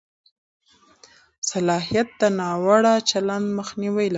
صلاحیت د ناوړه چلند مخنیوي لپاره دی.